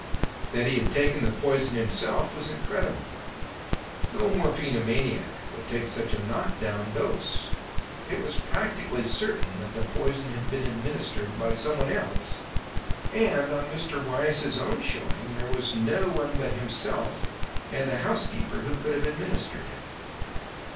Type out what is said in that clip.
That he had taken the poison himself was incredible. No morphinomaniac would take such a knock down dose. It was practically certain that the poison had been administered by someone else, and, on Mr. Weiss's own showing, there was no one but himself and the housekeeper who could have administered it.